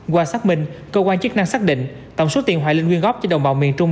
qua xác minh cơ quan chức năng xác định tổng số tiền hoài linh quyên góp cho đồng bào miền trung